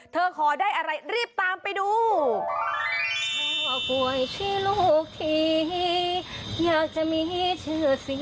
ขอได้อะไรรีบตามไปดู